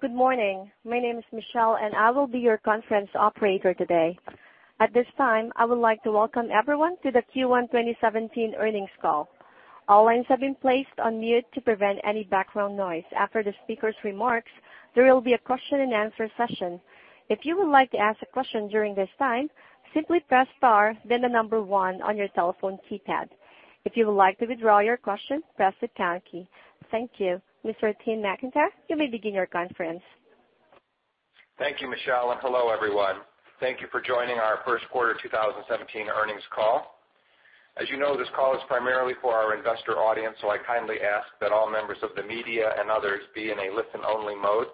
Good morning. My name is Michelle, and I will be your conference operator today. At this time, I would like to welcome everyone to the Q1 2017 earnings call. All lines have been placed on mute to prevent any background noise. After the speaker's remarks, there will be a question and answer session. If you would like to ask a question during this time, simply press star then the number one on your telephone keypad. If you would like to withdraw your question, press the pound key. Thank you. Mr. Timothy McIntyre, you may begin your conference. Thank you, Michelle, and hello, everyone. Thank you for joining our first quarter 2017 earnings call. As you know, this call is primarily for our investor audience, so I kindly ask that all members of the media and others be in a listen-only mode.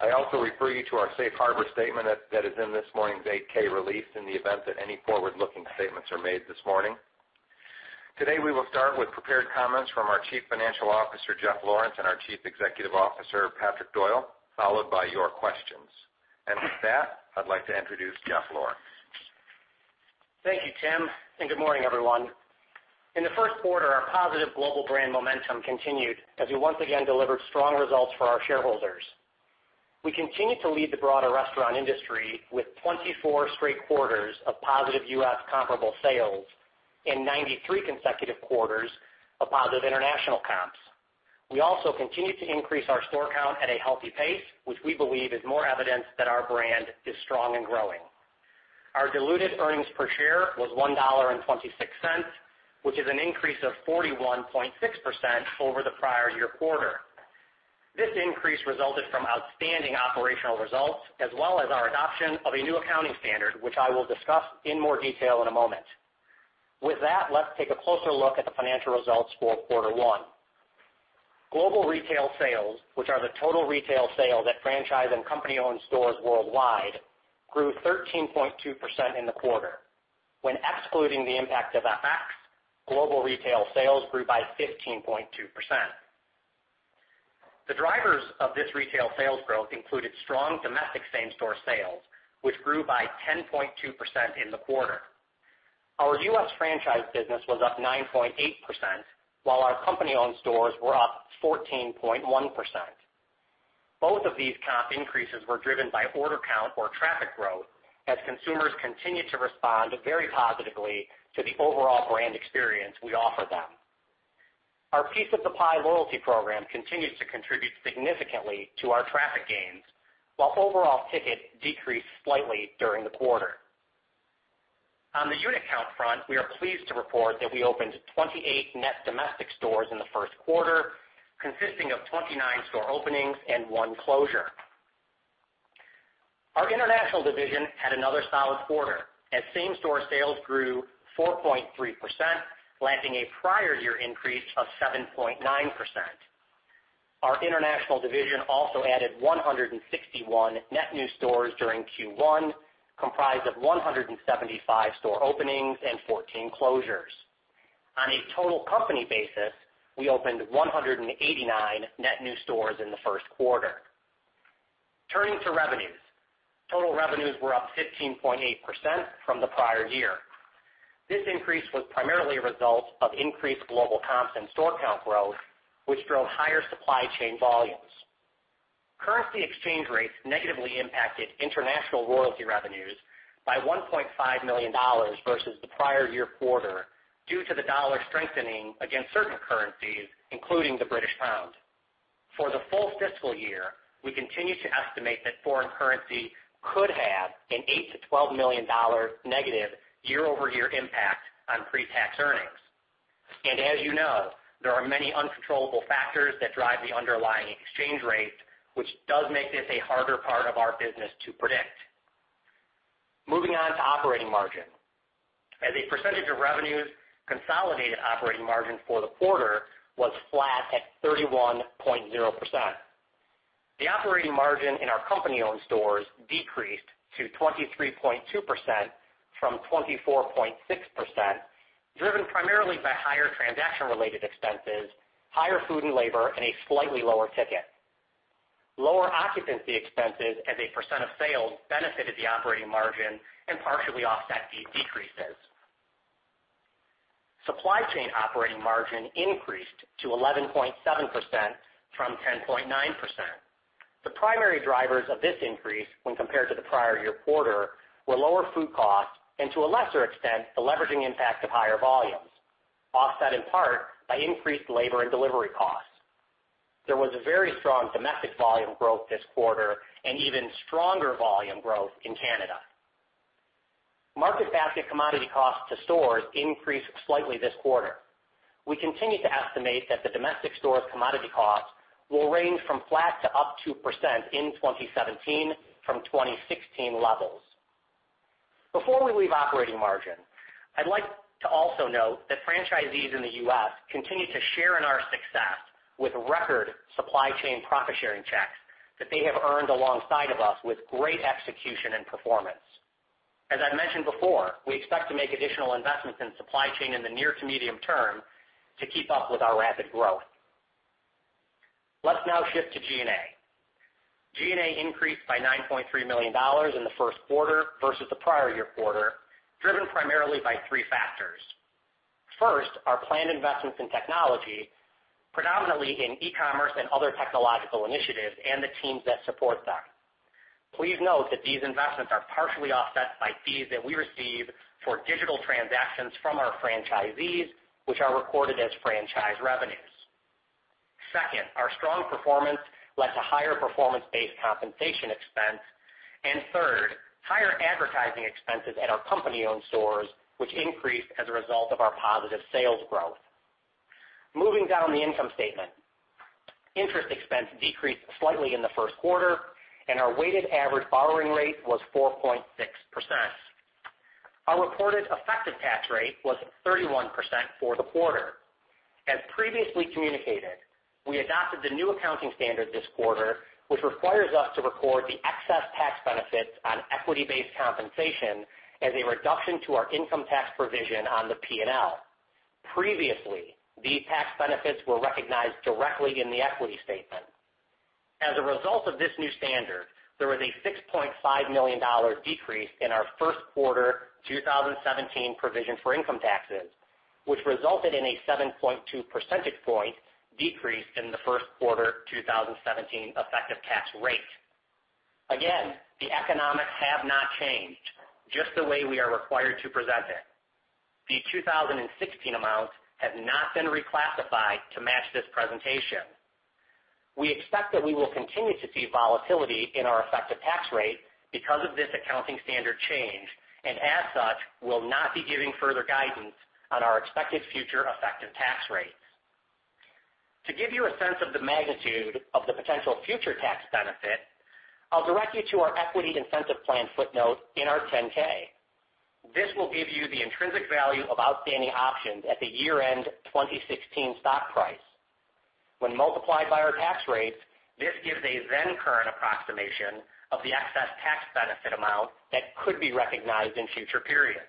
I also refer you to our safe harbor statement that is in this morning's 8-K release in the event that any forward-looking statements are made this morning. Today, we will start with prepared comments from our Chief Financial Officer, Jeff Lawrence, and our Chief Executive Officer, Patrick Doyle, followed by your questions. With that, I'd like to introduce Jeff Lawrence. Thank you, Tim, and good morning, everyone. In the first quarter, our positive global brand momentum continued as we once again delivered strong results for our shareholders. We continue to lead the broader restaurant industry with 24 straight quarters of positive U.S. comparable sales and 93 consecutive quarters of positive international comps. We also continue to increase our store count at a healthy pace, which we believe is more evidence that our brand is strong and growing. Our diluted earnings per share was $1.26, which is an increase of 41.6% over the prior year quarter. This increase resulted from outstanding operational results as well as our adoption of a new accounting standard, which I will discuss in more detail in a moment. With that, let's take a closer look at the financial results for quarter one. Global retail sales, which are the total retail sales at franchise and company-owned stores worldwide, grew 13.2% in the quarter. When excluding the impact of FX, global retail sales grew by 15.2%. The drivers of this retail sales growth included strong domestic same-store sales, which grew by 10.2% in the quarter. Our U.S. franchise business was up 9.8%, while our company-owned stores were up 14.1%. Both of these comp increases were driven by order count or traffic growth as consumers continued to respond very positively to the overall brand experience we offer them. Our Piece of the Pie loyalty program continues to contribute significantly to our traffic gains, while overall ticket decreased slightly during the quarter. On the unit count front, we are pleased to report that we opened 28 net domestic stores in the first quarter, consisting of 29 store openings and one closure. Our international division had another solid quarter, as same-store sales grew 4.3%, lapping a prior year increase of 7.9%. Our international division also added 161 net new stores during Q1, comprised of 175 store openings and 14 closures. On a total company basis, we opened 189 net new stores in the first quarter. Turning to revenues. Total revenues were up 15.8% from the prior year. This increase was primarily a result of increased global comps and store count growth, which drove higher supply chain volumes. Currency exchange rates negatively impacted international royalty revenues by $1.5 million versus the prior year quarter due to the dollar strengthening against certain currencies, including the British pound. For the full fiscal year, we continue to estimate that foreign currency could have an $8 million-$12 million negative year-over-year impact on pre-tax earnings. As you know, there are many uncontrollable factors that drive the underlying exchange rates, which does make this a harder part of our business to predict. Moving on to operating margin. As a percentage of revenues, consolidated operating margin for the quarter was flat at 31.0%. The operating margin in our company-owned stores decreased to 23.2% from 24.6%, driven primarily by higher transaction-related expenses, higher food and labor, and a slightly lower ticket. Lower occupancy expenses as a percent of sales benefited the operating margin and partially offset these decreases. Supply chain operating margin increased to 11.7% from 10.9%. The primary drivers of this increase when compared to the prior year quarter were lower food costs and to a lesser extent, the leveraging impact of higher volumes, offset in part by increased labor and delivery costs. There was a very strong domestic volume growth this quarter and even stronger volume growth in Canada. Market basket commodity costs to stores increased slightly this quarter. We continue to estimate that the domestic stores commodity cost will range from flat to up 2% in 2017 from 2016 levels. Before we leave operating margin, I'd like to also note that franchisees in the U.S. continue to share in our success with record supply chain profit-sharing checks that they have earned alongside of us with great execution and performance. As I mentioned before, we expect to make additional investments in supply chain in the near to medium term to keep up with our rapid growth. Let's now shift to G&A. G&A increased by $9.3 million in the first quarter versus the prior year quarter, driven primarily by three factors. First, our planned investments in technology, predominantly in e-commerce and other technological initiatives and the teams that support them. Please note that these investments are partially offset by fees that we receive for digital transactions from our franchisees, which are recorded as franchise revenues. Second, our strong performance led to higher performance-based compensation expense. Third, higher advertising expenses at our company-owned stores, which increased as a result of our positive sales growth. Moving down the income statement. Interest expense decreased slightly in the first quarter, and our weighted average borrowing rate was 4.6%. Our reported effective tax rate was 31% for the quarter. As previously communicated, we adopted the new accounting standard this quarter, which requires us to record the excess tax benefits on equity-based compensation as a reduction to our income tax provision on the P&L. Previously, these tax benefits were recognized directly in the equity statement. As a result of this new standard, there was a $6.5 million decrease in our first quarter 2017 provision for income taxes, which resulted in a 7.2 percentage point decrease in the first quarter 2017 effective tax rate. Again, the economics have not changed, just the way we are required to present it. The 2016 amount has not been reclassified to match this presentation. We expect that we will continue to see volatility in our effective tax rate because of this accounting standard change, and as such, will not be giving further guidance on our expected future effective tax rates. To give you a sense of the magnitude of the potential future tax benefit, I'll direct you to our equity incentive plan footnote in our 10-K. This will give you the intrinsic value of outstanding options at the year-end 2016 stock price. When multiplied by our tax rates, this gives a then current approximation of the excess tax benefit amount that could be recognized in future periods.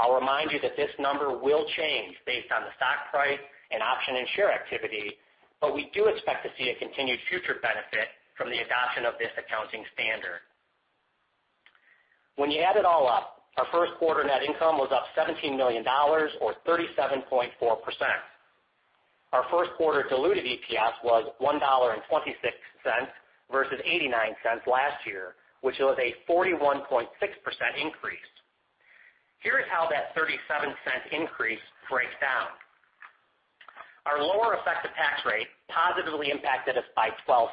I'll remind you that this number will change based on the stock price and option in share activity, but we do expect to see a continued future benefit from the adoption of this accounting standard. When you add it all up, our first quarter net income was up $17 million, or 37.4%. Our first quarter diluted EPS was $1.26 versus $0.89 last year, which was a 41.6% increase. Here is how that $0.37 increase breaks down. Our lower effective tax rate positively impacted us by $0.12,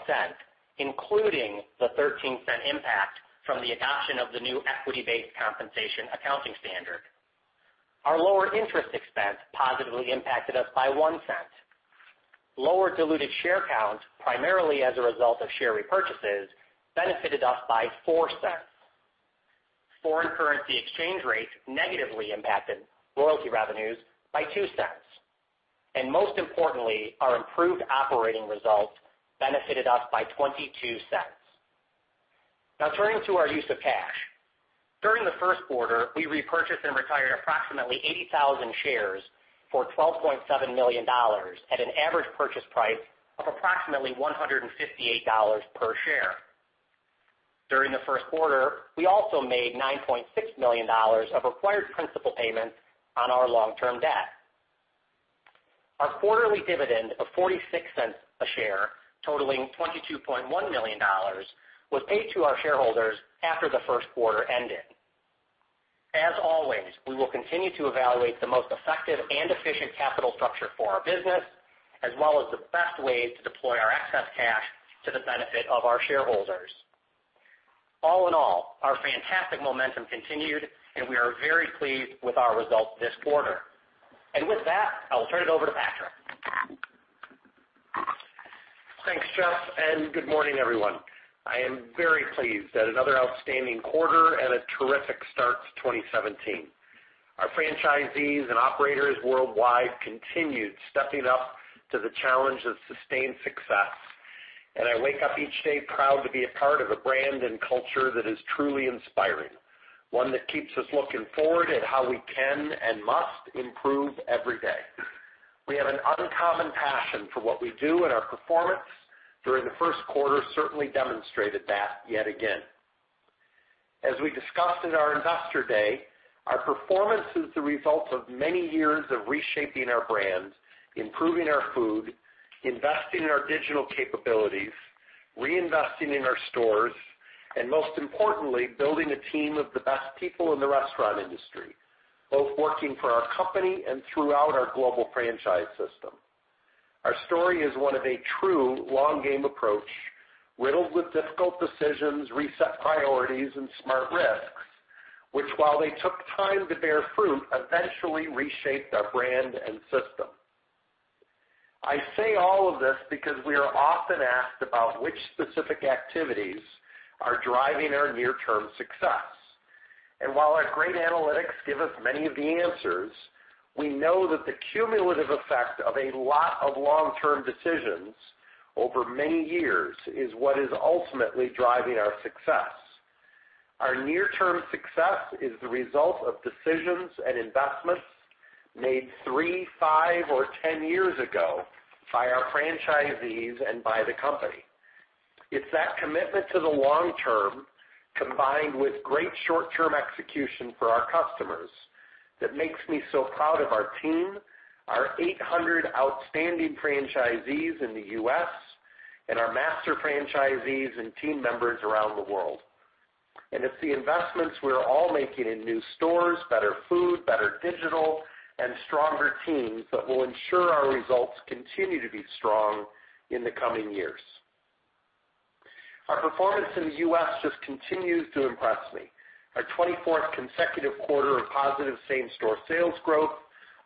including the $0.13 impact from the adoption of the new equity-based compensation accounting standard. Our lower interest expense positively impacted us by $0.01. Lower diluted share count, primarily as a result of share repurchases, benefited us by $0.04. Foreign currency exchange rates negatively impacted royalty revenues by $0.02. Most importantly, our improved operating results benefited us by $0.22. Now turning to our use of cash. During the first quarter, we repurchased and retired approximately 80,000 shares for $12.7 million at an average purchase price of approximately $158 per share. During the first quarter, we also made $9.6 million of required principal payments on our long-term debt. Our quarterly dividend of $0.46 a share, totaling $22.1 million, was paid to our shareholders after the first quarter ended. As always, we will continue to evaluate the most effective and efficient capital structure for our business, as well as the best way to deploy our excess cash to the benefit of our shareholders. All in all, our fantastic momentum continued, and we are very pleased with our results this quarter. With that, I'll turn it over to Patrick. Thanks, Jeff, Good morning, everyone. I am very pleased at another outstanding quarter and a terrific start to 2017. Our franchisees and operators worldwide continued stepping up to the challenge of sustained success. I wake up each day proud to be a part of a brand and culture that is truly inspiring, one that keeps us looking forward at how we can and must improve every day. We have an uncommon passion for what we do. Our performance during the first quarter certainly demonstrated that yet again. As we discussed at our Investor Day, our performance is the result of many years of reshaping our brand, improving our food, investing in our digital capabilities, reinvesting in our stores, and most importantly, building a team of the best people in the restaurant industry, both working for our company and throughout our global franchise system. Our story is one of a true long game approach, riddled with difficult decisions, reset priorities, smart risks, which while they took time to bear fruit, eventually reshaped our brand and system. I say all of this because we are often asked about which specific activities are driving our near-term success. While our great analytics give us many of the answers, we know that the cumulative effect of a lot of long-term decisions over many years is what is ultimately driving our success. Our near-term success is the result of decisions and investments made three, five, or 10 years ago by our franchisees and by the company. It's that commitment to the long term, combined with great short-term execution for our customers, that makes me so proud of our team, our 800 outstanding franchisees in the U.S., and our master franchisees and team members around the world. It's the investments we're all making in new stores, better food, better digital, and stronger teams that will ensure our results continue to be strong in the coming years. Our performance in the U.S. just continues to impress me. Our 24th consecutive quarter of positive same-store sales growth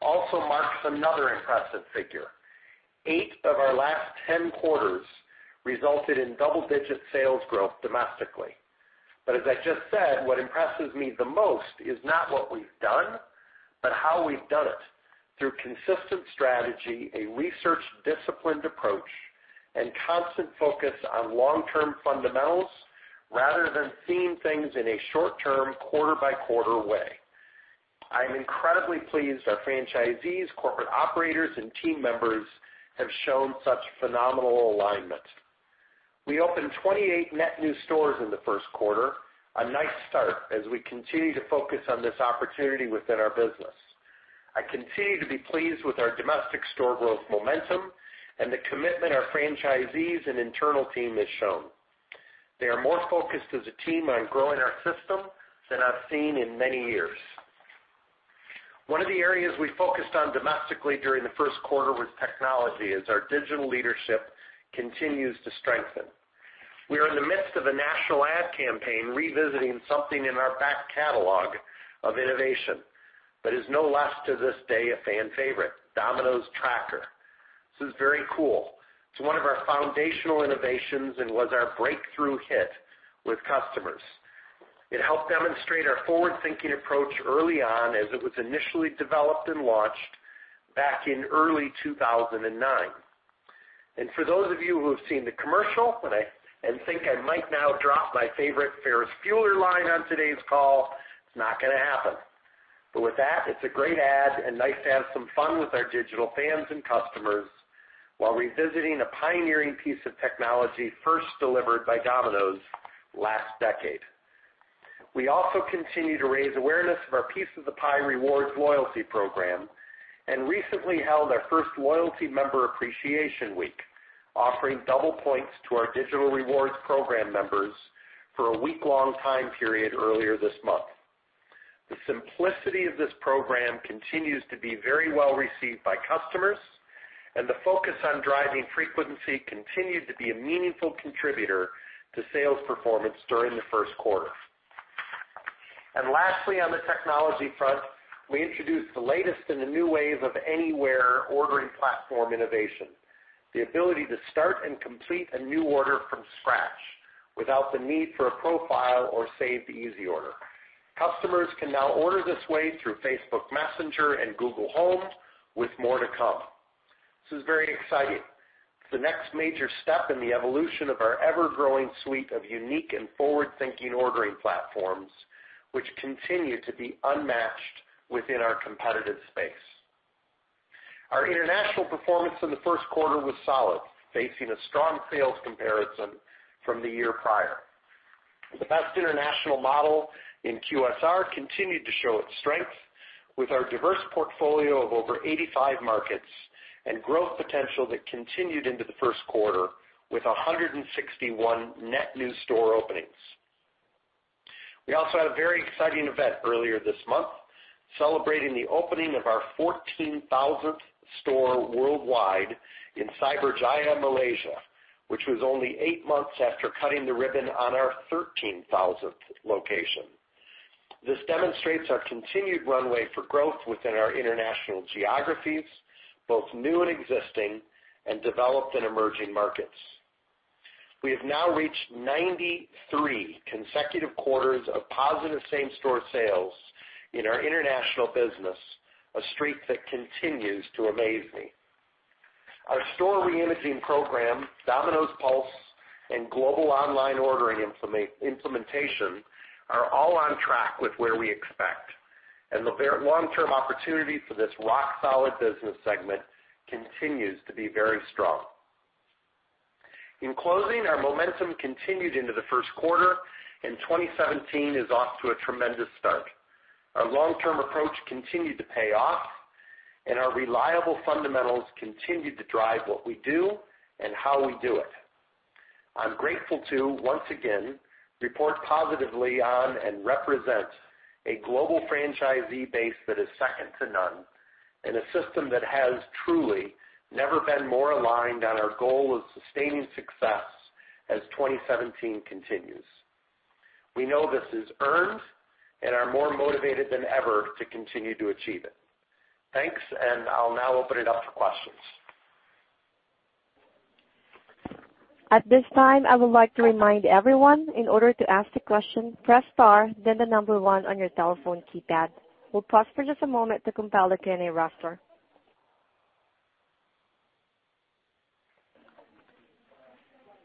also marks another impressive figure. Eight of our last 10 quarters resulted in double-digit sales growth domestically. As I just said, what impresses me the most is not what we've done, but how we've done it. Through consistent strategy, a research-disciplined approach, constant focus on long-term fundamentals, rather than seeing things in a short-term, quarter-by-quarter way. I am incredibly pleased our franchisees, corporate operators, and team members have shown such phenomenal alignment. We opened 28 net new stores in the first quarter, a nice start as we continue to focus on this opportunity within our business. I continue to be pleased with our domestic store growth momentum and the commitment our franchisees and internal team has shown. They are more focused as a team on growing our system than I've seen in many years. One of the areas we focused on domestically during the first quarter was technology, as our digital leadership continues to strengthen. We are in the midst of a national ad campaign revisiting something in our back catalog of innovation that is no less to this day a fan favorite, Domino's Tracker. This is very cool. It's one of our foundational innovations and was our breakthrough hit with customers. It helped demonstrate our forward-thinking approach early on as it was initially developed and launched back in early 2009. For those of you who have seen the commercial and think I might now drop my favorite Ferris Bueller line on today's call, it's not going to happen. With that, it's a great ad and nice to have some fun with our digital fans and customers while revisiting a pioneering piece of technology first delivered by Domino's last decade. We also continue to raise awareness of our Piece of the Pie Rewards loyalty program, and recently held our first loyalty member appreciation week, offering double points to our digital rewards program members for a week-long time period earlier this month. The simplicity of this program continues to be very well received by customers, and the focus on driving frequency continued to be a meaningful contributor to sales performance during the first quarter. Lastly, on the technology front, we introduced the latest in the new wave of anywhere ordering platform innovation. The ability to start and complete a new order from scratch without the need for a profile or saved easy order. Customers can now order this way through Facebook Messenger and Google Home, with more to come. This is very exciting. It's the next major step in the evolution of our ever-growing suite of unique and forward-thinking ordering platforms, which continue to be unmatched within our competitive space. Our international performance in the first quarter was solid, facing a strong sales comparison from the year prior. The best international model in QSR continued to show its strength with our diverse portfolio of over 85 markets and growth potential that continued into the first quarter with 161 net new store openings. We also had a very exciting event earlier this month, celebrating the opening of our 14,000th store worldwide in Cyberjaya, Malaysia, which was only eight months after cutting the ribbon on our 13,000th location. This demonstrates our continued runway for growth within our international geographies, both new and existing, and developed in emerging markets. We have now reached 93 consecutive quarters of positive same-store sales in our international business, a streak that continues to amaze me. Our store reimaging program, Domino's Pulse, and global online ordering implementation are all on track with where we expect, and the long-term opportunity for this rock-solid business segment continues to be very strong. In closing, our momentum continued into the first quarter, and 2017 is off to a tremendous start. Our long-term approach continued to pay off, and our reliable fundamentals continued to drive what we do and how we do it. I'm grateful to, once again, report positively on and represent a global franchisee base that is second to none and a system that has truly never been more aligned on our goal of sustaining success as 2017 continues. We know this is earned and are more motivated than ever to continue to achieve it. Thanks. I'll now open it up for questions. At this time, I would like to remind everyone, in order to ask a question, press star, then the number one on your telephone keypad. We'll pause for just a moment to compile the Q&A roster.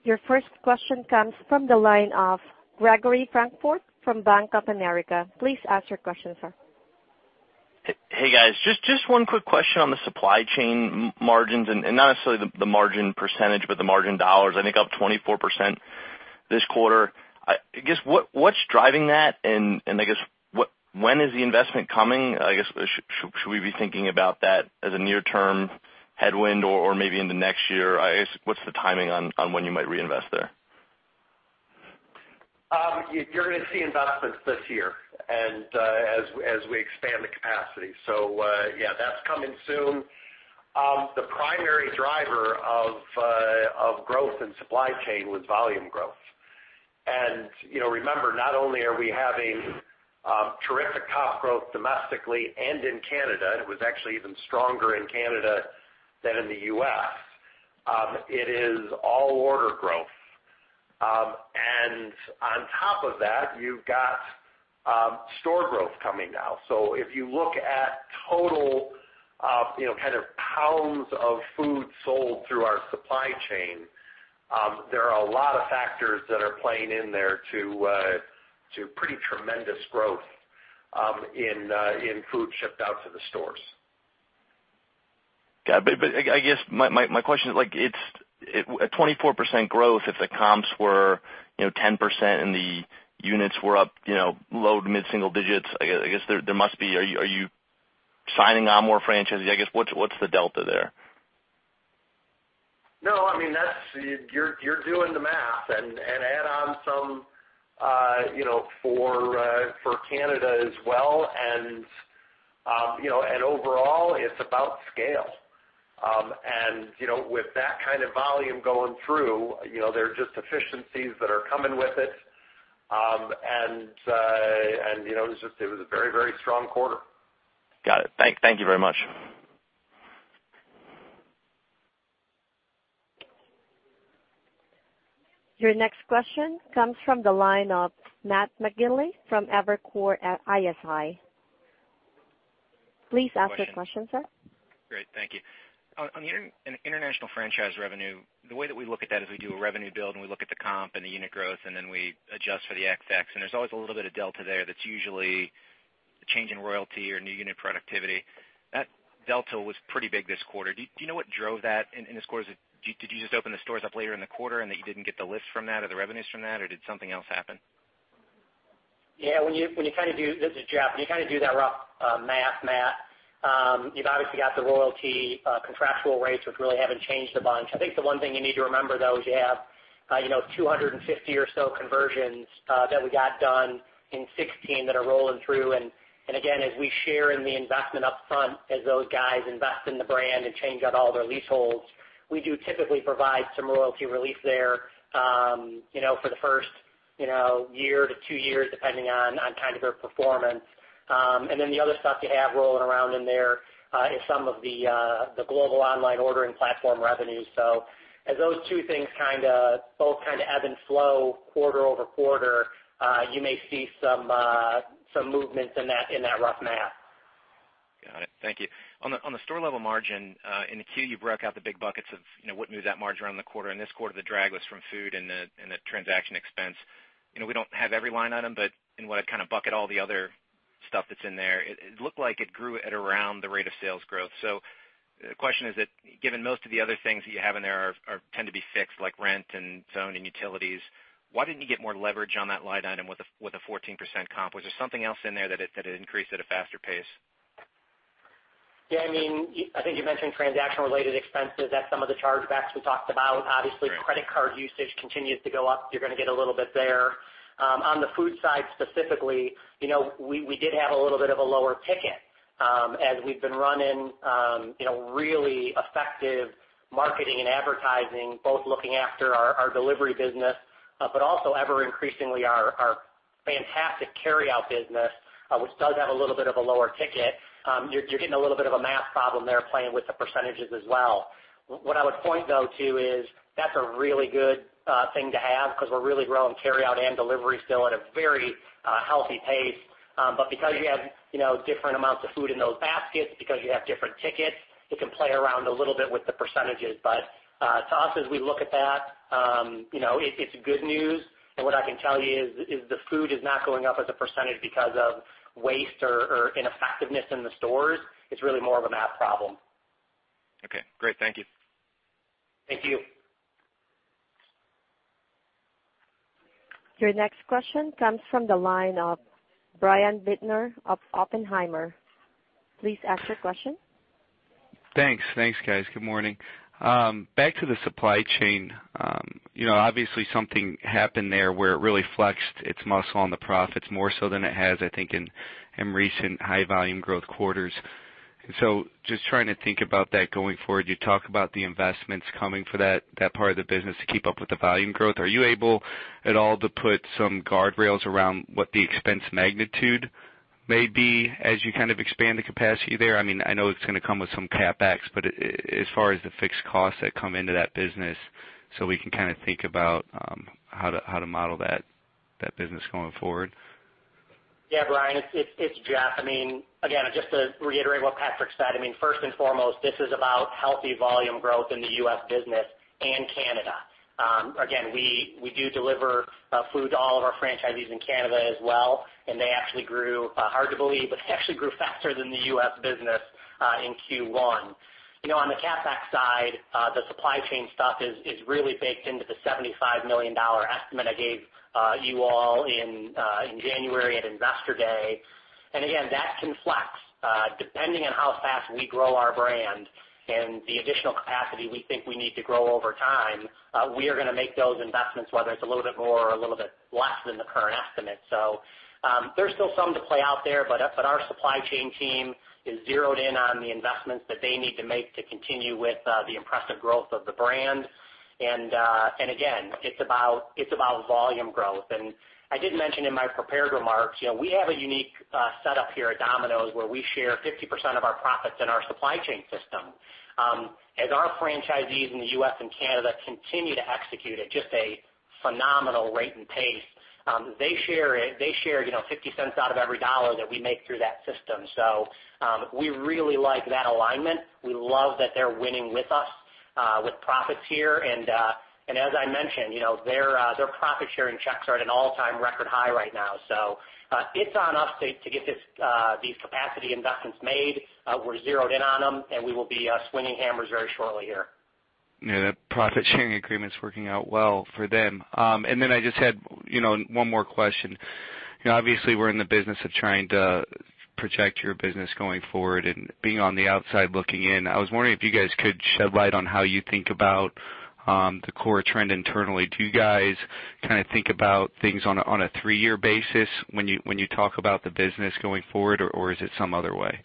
Your first question comes from the line of Gregory Francfort from Bank of America. Please ask your question, sir. Hey, guys. Just one quick question on the supply chain margins, not necessarily the margin percentage, but the margin dollars, I think up 24% this quarter. I guess, what's driving that? I guess, when is the investment coming? I guess, should we be thinking about that as a near-term headwind or maybe into next year? I guess, what's the timing on when you might reinvest there? You're going to see investments this year as we expand the capacity. Yeah, that's coming soon. The primary driver of growth in supply chain was volume growth. Remember, not only are we having terrific comp growth domestically and in Canada, it was actually even stronger in Canada than in the U.S., it is all order growth. On top of that, you've got store growth coming now. If you look at total pounds of food sold through our supply chain, there are a lot of factors that are playing in there to pretty tremendous growth in food shipped out to the stores. Got it. I guess my question is, at 24% growth, if the comps were 10% and the units were up low to mid-single digits, are you signing on more franchisees? I guess, what's the delta there? No, you're doing the math, and add on some for Canada as well, and overall, it's about scale. With that kind of volume going through, there are just efficiencies that are coming with it. It was a very strong quarter. Got it. Thank you very much. Your next question comes from the line of Matt McGinley from Evercore ISI. Please ask your question, sir. Great. Thank you. On the international franchise revenue, the way that we look at that is we do a revenue build, and we look at the comp and the unit growth, and then we adjust for the FX, and there's always a little bit of delta there that's usually the change in royalty or new unit productivity. That delta was pretty big this quarter. Do you know what drove that in this quarter? Did you just open the stores up later in the quarter, and that you didn't get the lift from that or the revenues from that, or did something else happen? Yeah, this is Jeff Lawrence. When you do that rough math, Matt McGinley, you've obviously got the royalty contractual rates, which really haven't changed a bunch. I think the one thing you need to remember, though, is you have 250 or so conversions that we got done in 2016 that are rolling through. Again, as we share in the investment up front, as those guys invest in the brand and change out all their leaseholds, we do typically provide some royalty relief there for the first year to two years, depending on their performance. Then the other stuff you have rolling around in there is some of the global online ordering platform revenues. As those two things both ebb and flow quarter-over-quarter, you may see some movements in that rough math. Got it. Thank you. On the store level margin, in the Q, you broke out the big buckets of what moved that margin around the quarter. In this quarter, the drag was from food and the transaction expense. We don't have every line item, but in what I bucket all the other stuff that's in there, it looked like it grew at around the rate of sales growth. The question is that given most of the other things that you have in there tend to be fixed, like rent and zoning utilities, why didn't you get more leverage on that line item with a 14% comp? Was there something else in there that had increased at a faster pace? Yeah, I think you mentioned transaction-related expenses. That's some of the chargebacks we talked about. Right. Obviously, credit card usage continues to go up. You're going to get a little bit there. On the food side, specifically, we did have a little bit of a lower ticket. As we've been running really effective marketing and advertising, both looking after our delivery business, but also ever-increasingly our fantastic carryout business, which does have a little bit of a lower ticket. You're getting a little bit of a math problem there playing with the percentages as well. What I would point though to is that's a really good thing to have because we're really growing carryout and delivery still at a very healthy pace. Because you have different amounts of food in those baskets, because you have different tickets, it can play around a little bit with the percentages. To us, as we look at that, it's good news. What I can tell you is the food is not going up as a percentage because of waste or ineffectiveness in the stores. It's really more of a math problem. Okay, great. Thank you. Thank you. Your next question comes from the line of Brian Bittner of Oppenheimer. Please ask your question. Thanks, guys. Good morning. Back to the supply chain. Obviously, something happened there where it really flexed its muscle on the profits more so than it has, I think, in recent high volume growth quarters. Just trying to think about that going forward. You talk about the investments coming for that part of the business to keep up with the volume growth. Are you able at all to put some guardrails around what the expense magnitude may be as you expand the capacity there? I know it's going to come with some CapEx, but as far as the fixed costs that come into that business, so we can think about how to model that business going forward. Yeah, Brian, it's Jeff. Again, just to reiterate what Patrick said, first and foremost, this is about healthy volume growth in the U.S. business and Canada. Again, we do deliver food to all of our franchisees in Canada as well, and they actually grew, hard to believe, but they actually grew faster than the U.S. business in Q1. On the CapEx side, the supply chain stuff is really baked into the $75 million estimate I gave you all in January at Investor Day. Again, that can flex. Depending on how fast we grow our brand and the additional capacity we think we need to grow over time, we are going to make those investments, whether it's a little bit more or a little bit less than the current estimate. There's still some to play out there, but our supply chain team is zeroed in on the investments that they need to make to continue with the impressive growth of the brand. Again, it's about volume growth. I did mention in my prepared remarks, we have a unique setup here at Domino's where we share 50% of our profits in our supply chain system. As our franchisees in the U.S. and Canada continue to execute at just a phenomenal rate and pace, they share $0.50 out of every dollar that we make through that system. We really like that alignment. We love that they're winning with us with profits here. As I mentioned, their profit-sharing checks are at an all-time record high right now. It's on us to get these capacity investments made. We're zeroed in on them, and we will be swinging hammers very shortly here. Yeah, that profit-sharing agreement's working out well for them. I just had one more question. Obviously, we're in the business of trying to project your business going forward, and being on the outside looking in, I was wondering if you guys could shed light on how you think about the core trend internally. Do you guys think about things on a three-year basis when you talk about the business going forward, or is it some other way?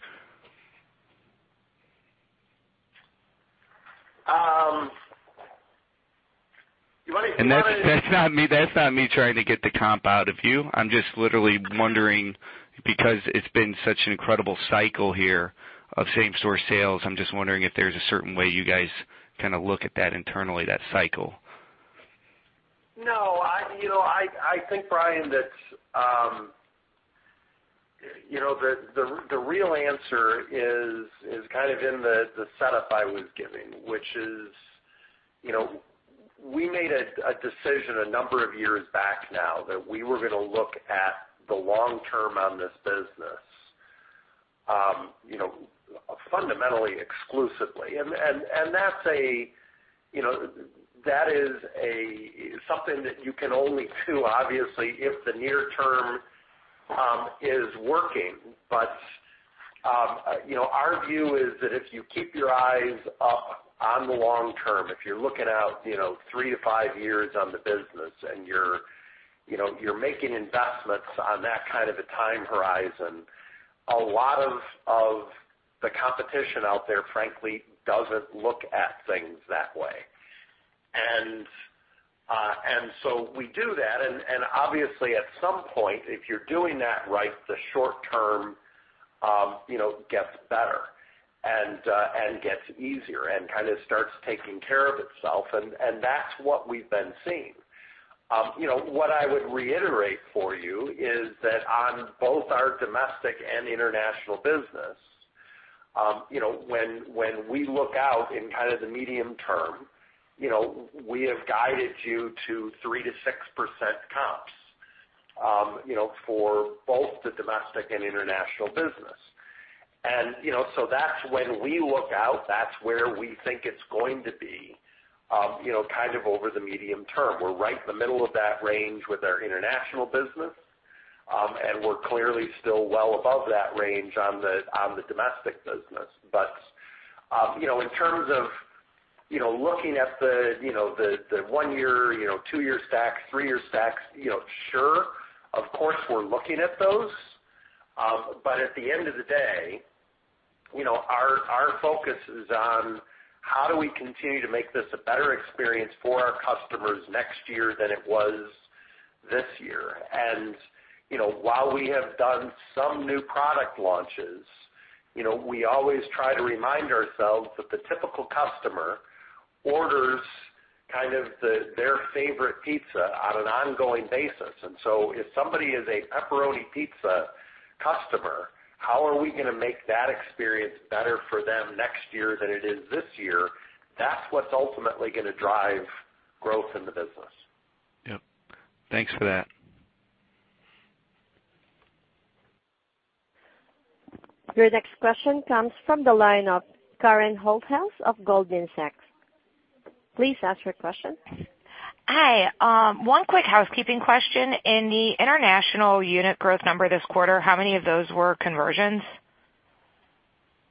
You want to- That's not me trying to get the comp out of you. I'm just literally wondering because it's been such an incredible cycle here of same-store sales. I'm just wondering if there's a certain way you guys kind of look at that internally, that cycle. No. I think, Brian, that the real answer is kind of in the setup I was giving, which is, we made a decision a number of years back now that we were going to look at the long term on this business fundamentally, exclusively. That is something that you can only do, obviously, if the near term is working. Our view is that if you keep your eyes up on the long term, if you're looking out three to five years on the business, you're making investments on that kind of a time horizon, a lot of the competition out there, frankly, doesn't look at things that way. We do that, obviously at some point, if you're doing that right, the short term gets better and gets easier and kind of starts taking care of itself. That's what we've been seeing. What I would reiterate for you is that on both our domestic and international business, when we look out in kind of the medium term, we have guided you to 3%-6% comps for both the domestic and international business. When we look out, that's where we think it's going to be over the medium term. We're right in the middle of that range with our international business, and we're clearly still well above that range on the domestic business. In terms of looking at the one-year, two-year stacks, three-year stacks, sure. Of course, we're looking at those. At the end of the day, our focus is on how do we continue to make this a better experience for our customers next year than it was this year. While we have done some new product launches, we always try to remind ourselves that the typical customer orders kind of their favorite pizza on an ongoing basis. If somebody is a pepperoni pizza customer, how are we going to make that experience better for them next year than it is this year? That's what's ultimately going to drive growth in the business. Yep. Thanks for that. Your next question comes from the line of Karen Holthouse of Goldman Sachs. Please ask your question. Hi. One quick housekeeping question. In the international unit growth number this quarter, how many of those were conversions?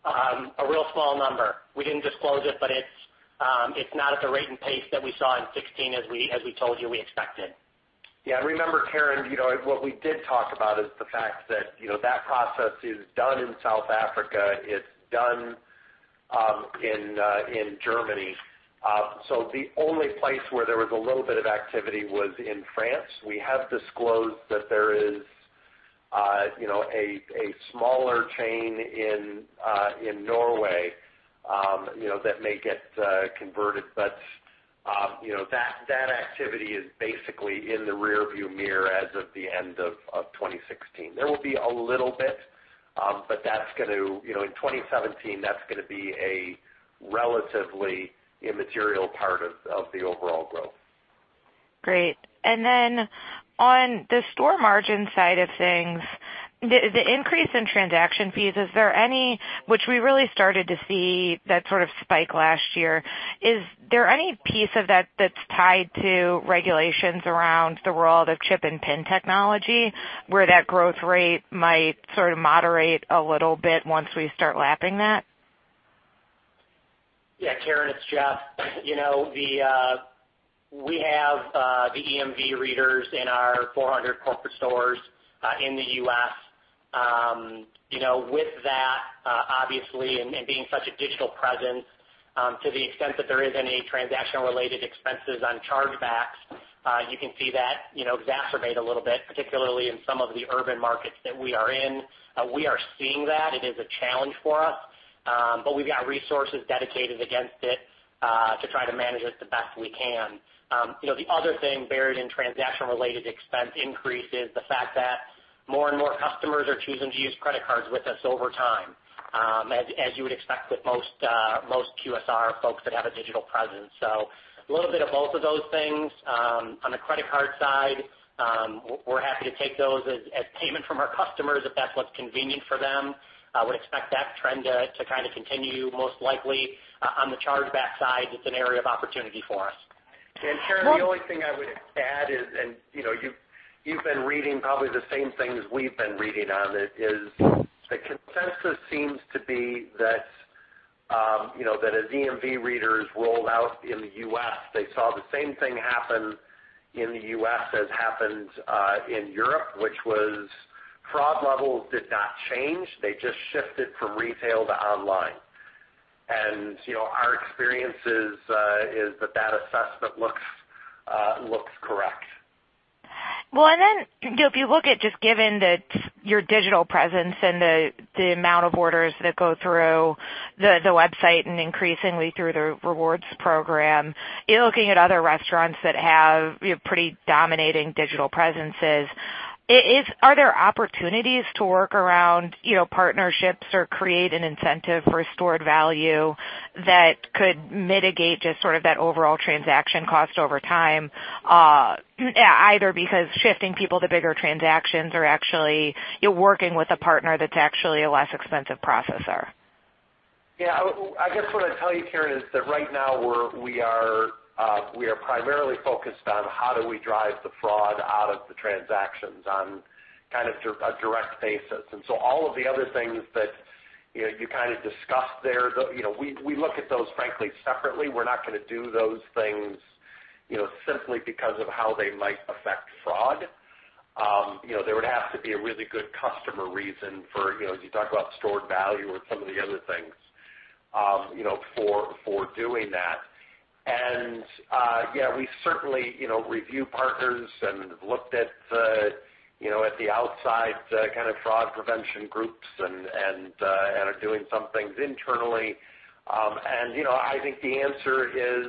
A real small number. We didn't disclose it. It's not at the rate and pace that we saw in 2016 as we told you we expected. Yeah. Remember, Karen, what we did talk about is the fact that process is done in South Africa. It's done in Germany. The only place where there was a little bit of activity was in France. We have disclosed that there is a smaller chain in Norway that may get converted. That activity is basically in the rearview mirror as of the end of 2016. In 2017, that's going to be a relatively immaterial part of the overall growth. Great. Then on the store margin side of things, the increase in transaction fees, which we really started to see that sort of spike last year, is there any piece of that that's tied to regulations around the world of Chip and PIN technology, where that growth rate might sort of moderate a little bit once we start lapping that? Yeah, Karen, it's Jeff. We have the EMV readers in our 400 corporate stores in the U.S. With that, obviously, and being such a digital presence, to the extent that there is any transactional related expenses on chargebacks, you can see that exacerbate a little bit, particularly in some of the urban markets that we are in. We are seeing that. It is a challenge for us. We've got resources dedicated against it, to try to manage it the best we can. The other thing buried in transaction related expense increase is the fact that more and more customers are choosing to use credit cards with us over time, as you would expect with most QSR folks that have a digital presence. A little bit of both of those things. On the credit card side, we're happy to take those as payment from our customers if that's what's convenient for them. I would expect that trend to kind of continue, most likely. On the chargeback side, it's an area of opportunity for us. Karen, the only thing I would add is, and you've been reading probably the same things we've been reading on it, is the consensus seems to be that as EMV readers rolled out in the U.S., they saw the same thing happen in the U.S. as happened in Europe, which was fraud levels did not change. They just shifted from retail to online. Our experience is that assessment looks correct. Given that your digital presence and the amount of orders that go through the website and increasingly through the rewards program, you're looking at other restaurants that have pretty dominating digital presences. Are there opportunities to work around partnerships or create an incentive for stored value that could mitigate just sort of that overall transaction cost over time? Either because shifting people to bigger transactions or actually you're working with a partner that's actually a less expensive processor. I guess what I'd tell you, Karen, is that right now we are primarily focused on how do we drive the fraud out of the transactions on kind of a direct basis. All of the other things that you kind of discussed there, we look at those, frankly, separately. We're not going to do those things simply because of how they might affect fraud. There would have to be a really good customer reason for, as you talk about stored value or some of the other things, for doing that. We certainly review partners and have looked at the outside kind of fraud prevention groups and are doing some things internally. I think the answer is,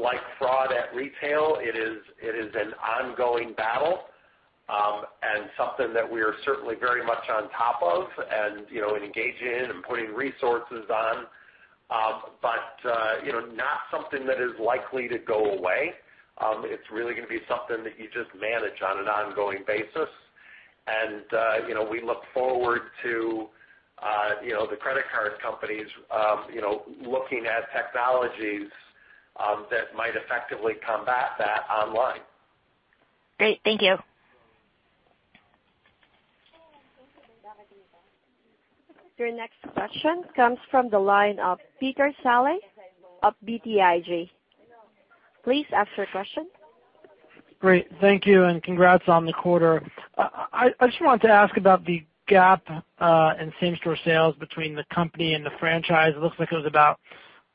like fraud at retail, it is an ongoing battle, and something that we are certainly very much on top of and engaging in and putting resources on. Not something that is likely to go away. It's really going to be something that you just manage on an ongoing basis. We look forward to the credit card companies looking at technologies that might effectively combat that online. Great. Thank you. Your next question comes from the line of Peter Saleh of BTIG. Please ask your question. Great. Thank you. Congrats on the quarter. I just wanted to ask about the gap in same-store sales between the company and the franchise. It looks like it was about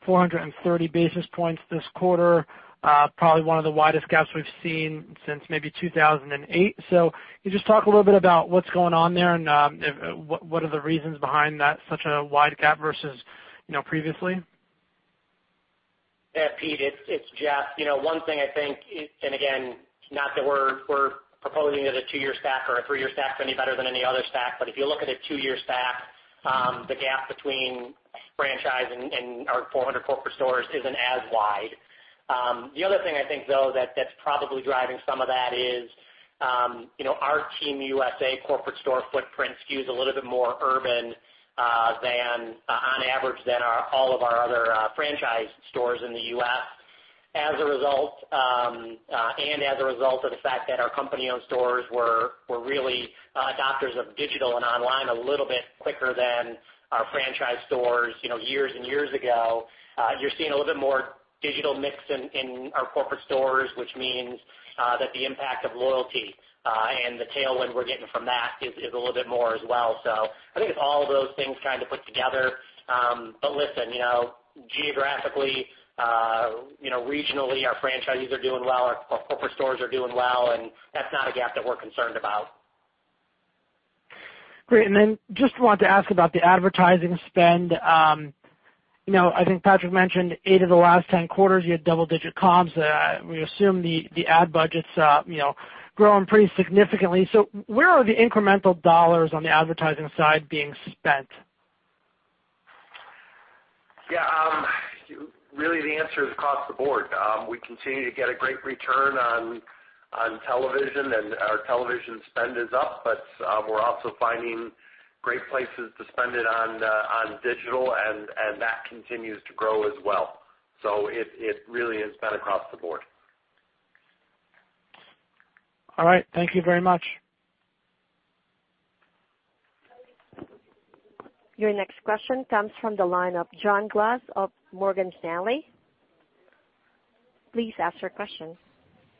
430 basis points this quarter. Probably one of the widest gaps we've seen since maybe 2008. Can you just talk a little bit about what's going on there and what are the reasons behind that, such a wide gap versus previously? Pete, it's Jeff. One thing I think, again, not that we're proposing that a two-year stack or a three-year stack is any better than any other stack, but if you look at a two-year stack, the gap between franchise and our 400 corporate stores isn't as wide. The other thing I think, though, that's probably driving some of that is our Team USA corporate store footprint skews a little bit more urban, on average, than all of our other franchise stores in the U.S. As a result of the fact that our company-owned stores were really adopters of digital and online a little bit quicker than our franchise stores years and years ago, you're seeing a little bit more digital mix in our corporate stores, which means that the impact of loyalty and the tailwind we're getting from that is a little bit more as well. I think it's all of those things kind of put together. Listen, geographically, regionally, our franchisees are doing well, our corporate stores are doing well, and that's not a gap that we're concerned about. Great. Just wanted to ask about the advertising spend. I think Patrick mentioned eight of the last 10 quarters, you had double-digit comps. We assume the ad budget's growing pretty significantly. Where are the incremental dollars on the advertising side being spent? Really, the answer is across the board. We continue to get a great return on television, and our television spend is up, but we're also finding great places to spend it on digital, and that continues to grow as well. It really is spent across the board. All right. Thank you very much. Your next question comes from the line of John Glass of Morgan Stanley. Please ask your question.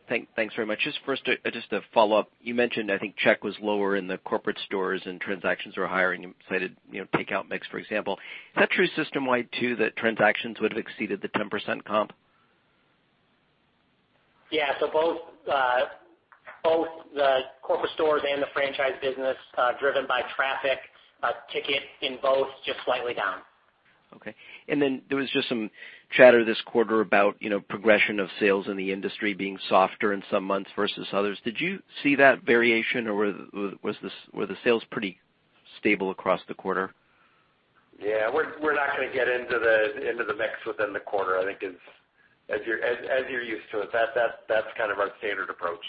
Thanks very much. Just first, just to follow up, you mentioned, I think, check was lower in the corporate stores and transactions were higher, and you cited take-out mix, for example. Is that true system-wide, too, that transactions would have exceeded the 10% comp? Yeah. Both the corporate stores and the franchise business, driven by traffic, ticket in both, just slightly down. Okay. There was just some chatter this quarter about progression of sales in the industry being softer in some months versus others. Did you see that variation, or were the sales pretty stable across the quarter? Yeah. We're not going to get into the mix within the quarter. As you're used to it, that's kind of our standard approach.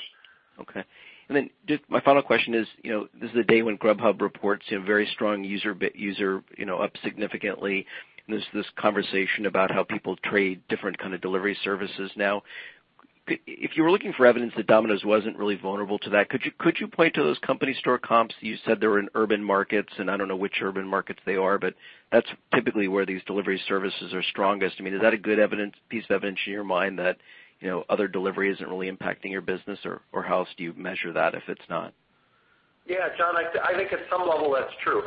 Just my final question is, this is the day when Grubhub reports a very strong user, up significantly. There's this conversation about how people trade different kind of delivery services now. If you were looking for evidence that Domino's wasn't really vulnerable to that, could you point to those company store comps? You said they were in urban markets, and I don't know which urban markets they are, but that's typically where these delivery services are strongest. Is that a good piece of evidence in your mind that other delivery isn't really impacting your business? How else do you measure that if it's not? Yeah, John, I think at some level that's true.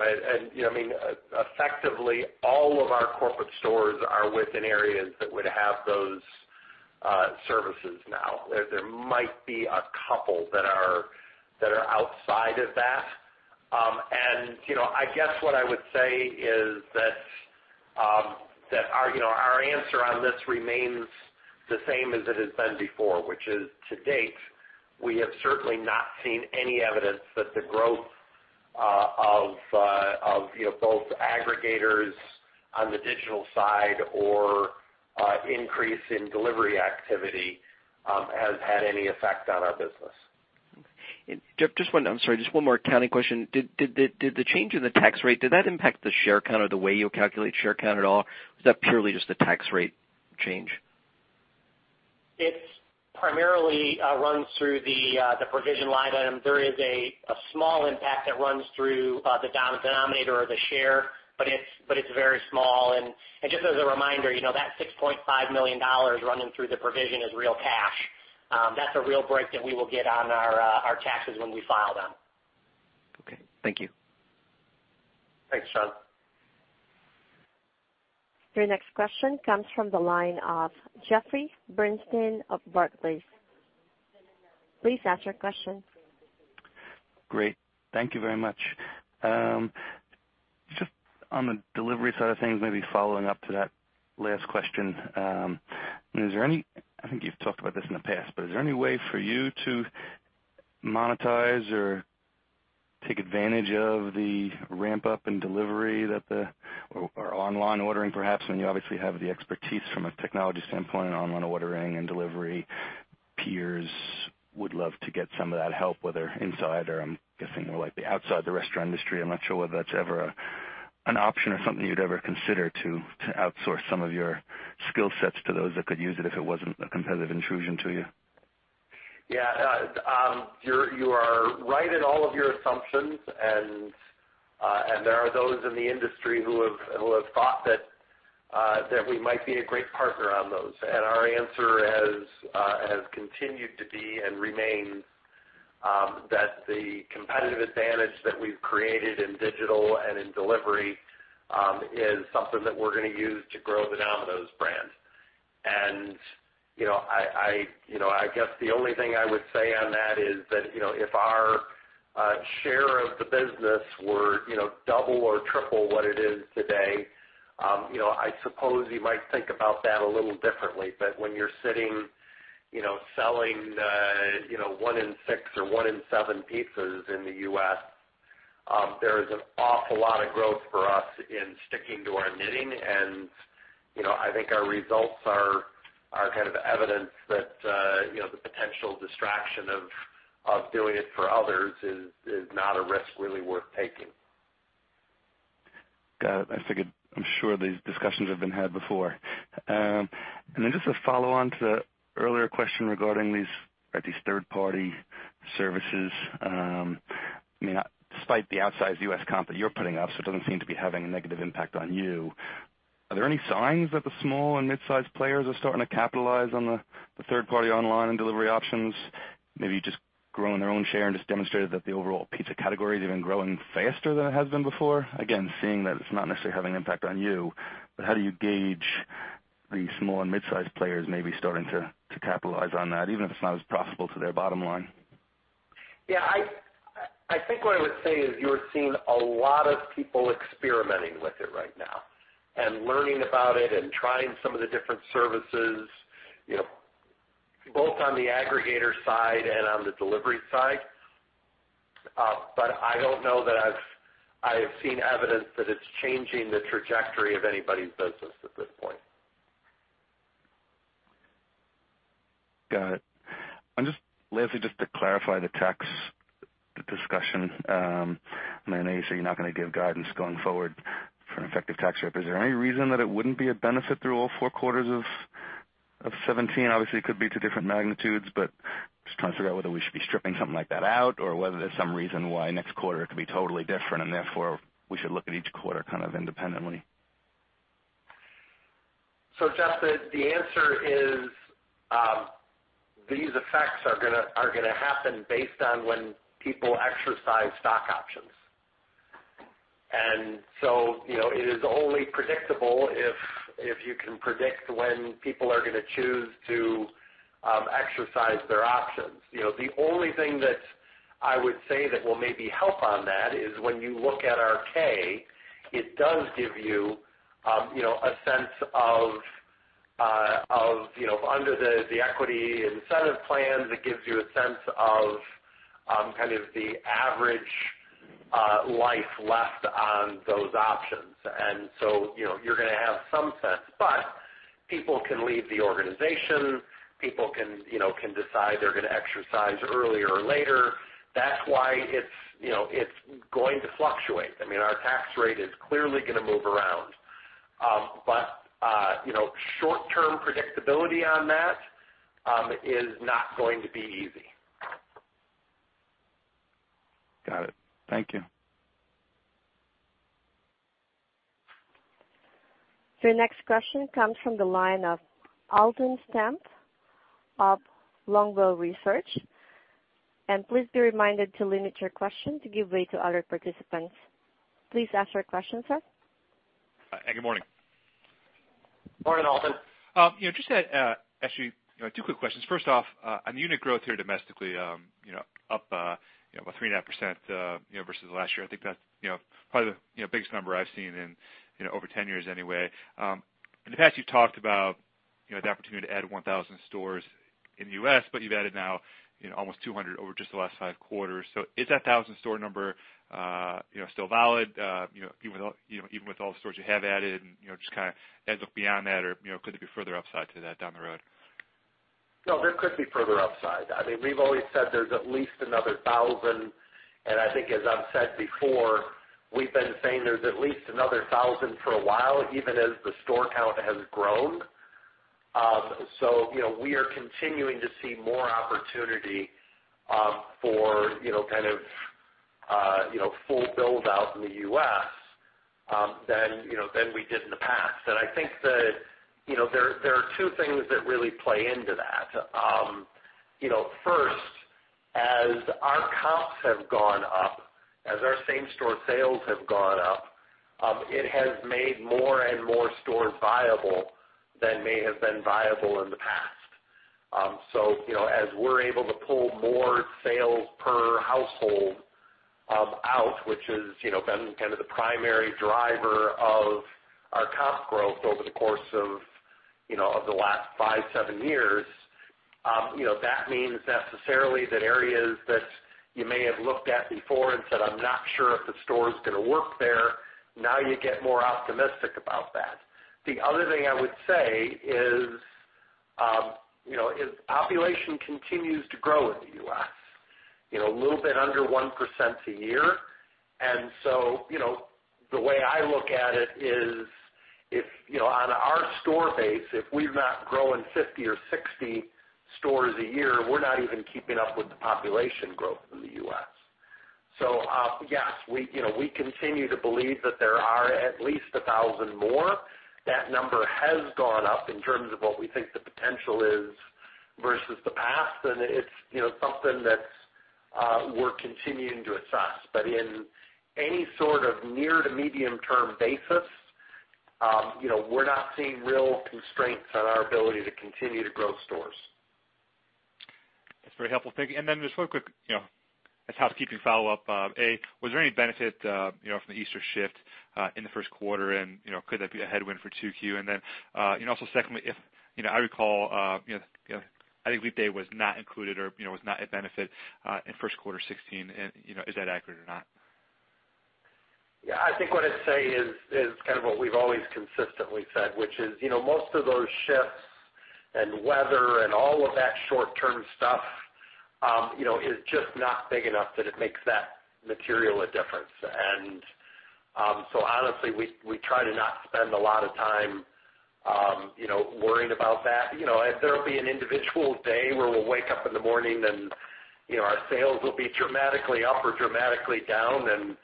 Effectively, all of our corporate stores are within areas that would have those services now. There might be a couple that are outside of that. I guess what I would say is that our answer on this remains the same as it has been before, which is, to date, we have certainly not seen any evidence that the growth of both aggregators on the digital side or increase in delivery activity has had any effect on our business. I'm sorry, just one more accounting question. Did the change in the tax rate, did that impact the share count or the way you calculate share count at all? Was that purely just a tax rate change? It primarily runs through the provision line item. There is a small impact that runs through the denominator of the share, but it's very small. Just as a reminder, that $6.5 million running through the provision is real cash. That's a real break that we will get on our taxes when we file them. Okay. Thank you. Thanks, John. Your next question comes from the line of Jeffrey Bernstein of Barclays. Please ask your question. Great. Thank you very much. Just on the delivery side of things, maybe following up to that last question. I think you've talked about this in the past, but is there any way for you to monetize or take advantage of the ramp-up in delivery or online ordering, perhaps, when you obviously have the expertise from a technology standpoint on online ordering and delivery? Peers would love to get some of that help, whether inside or I'm guessing more likely outside the restaurant industry. I'm not sure whether that's ever an option or something you'd ever consider to outsource some of your skill sets to those that could use it if it wasn't a competitive intrusion to you. Yeah. You are right in all of your assumptions, there are those in the industry who have thought that we might be a great partner on those. Our answer has continued to be, and remains, that the competitive advantage that we've created in digital and in delivery is something that we're going to use to grow the Domino's brand. I guess the only thing I would say on that is that if our share of the business were double or triple what it is today, I suppose you might think about that a little differently. When you're sitting, selling one in six or one in seven pizzas in the U.S., there is an awful lot of growth for us in sticking to our knitting. I think our results are kind of evidence that the potential distraction of doing it for others is not a risk really worth taking. Got it. I'm sure these discussions have been had before. Just to follow on to the earlier question regarding these third-party services. Despite the outsized U.S. comp that you're putting up, it doesn't seem to be having a negative impact on you, are there any signs that the small and mid-sized players are starting to capitalize on the third-party online and delivery options? Maybe just growing their own share and just demonstrated that the overall pizza category has even grown faster than it has been before? Again, seeing that it's not necessarily having an impact on you, but how do you gauge the small and mid-sized players maybe starting to capitalize on that, even if it's not as profitable to their bottom line? Yeah, I think what I would say is you're seeing a lot of people experimenting with it right now and learning about it and trying some of the different services, both on the aggregator side and on the delivery side. I don't know that I've seen evidence that it's changing the trajectory of anybody's business at this point. Got it. Lastly, just to clarify the tax discussion. I know you said you're not going to give guidance going forward for an effective tax rate. Is there any reason that it wouldn't be a benefit through all four quarters of 2017? Obviously, it could be to different magnitudes, but just trying to figure out whether we should be stripping something like that out or whether there's some reason why next quarter it could be totally different and therefore we should look at each quarter kind of independently. Jeffrey, the answer is, these effects are going to happen based on when people exercise stock options. It is only predictable if you can predict when people are going to choose to exercise their options. The only thing that I would say that will maybe help on that is when you look at our K, it does give you a sense of, under the equity incentive plan, it gives you a sense of kind of the average life left on those options. You're going to have some sense. People can leave the organization, people can decide they're going to exercise earlier or later. That's why it's going to fluctuate. Our tax rate is clearly going to move around. Short-term predictability on that is not going to be easy. Got it. Thank you. Your next question comes from the line of Alton Stump of Longbow Research. Please be reminded to limit your question to give way to other participants. Please ask your question, sir. Hi, good morning. Morning, Alton. Actually two quick questions. First off, on unit growth here domestically, up about 3.5% versus last year. I think that's probably the biggest number I've seen in over 10 years anyway. In the past, you've talked about the opportunity to add 1,000 stores in the U.S., but you've added now almost 200 over just the last five quarters. Is that 1,000 store number still valid even with all the stores you have added and just kind of beyond that, or could there be further upside to that down the road? There could be further upside. We've always said there's at least another 1,000, and I think as I've said before, we've been saying there's at least another 1,000 for a while, even as the store count has grown. We are continuing to see more opportunity for kind of full build out in the U.S. than we did in the past. I think that there are two things that really play into that. First, as our comps have gone up, as our same store sales have gone up, it has made more and more stores viable than may have been viable in the past. As we're able to pull more sales per household out, which has been kind of the primary driver of our comp growth over the course of the last five, seven years, that means necessarily that areas that you may have looked at before and said, I'm not sure if the store's going to work there, now you get more optimistic about that. The other thing I would say is population continues to grow in the U.S., a little bit under 1% a year. The way I look at it is if on our store base, if we're not growing 50 or 60 stores a year, we're not even keeping up with the population growth in the U.S. Yes, we continue to believe that there are at least 1,000 more. That number has gone up in terms of what we think the potential is versus the past. It's something that we're continuing to assess. In any sort of near to medium term basis, we're not seeing real constraints on our ability to continue to grow stores. That's very helpful. Thank you. Just one quick, as housekeeping follow-up, A, was there any benefit from the Easter shift in the first quarter and could that be a headwind for 2Q? Secondly, I recall, I think weekday was not included or was not a benefit in first quarter 2016. Is that accurate or not? I think what I'd say is kind of what we've always consistently said, which is most of those shifts and weather and all of that short-term stuff is just not big enough that it makes that material a difference. Honestly, we try to not spend a lot of time worrying about that. There'll be an individual day where we'll wake up in the morning and our sales will be dramatically up or dramatically down and